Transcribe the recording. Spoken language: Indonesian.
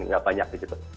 nggak banyak di situ